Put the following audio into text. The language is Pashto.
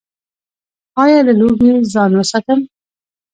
ایا له لوګي ځان وساتم؟